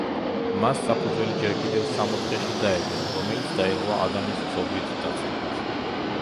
მას საფუძველი ჯერ კიდევ სამოთხეში დაედო, რომელიც დაირღვა ადამის ცოდვით დაცემით.